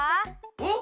おっ？